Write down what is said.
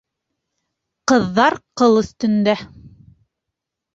Ҡыҙҙар ҡыл өҫтөндә